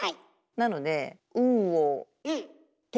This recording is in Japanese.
なので天。